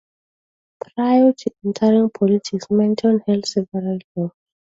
Prior to entering politics, Manton held several jobs.